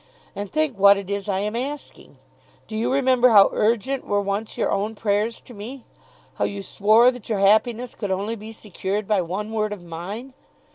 And think what it is I am asking. Do you remember how urgent were once your own prayers to me; how you swore that your happiness could only be secured by one word of mine?